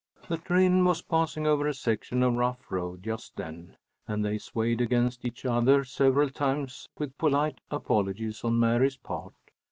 The train was passing over a section of rough road just then, and they swayed against each other several times, with polite apologies on Mary's part.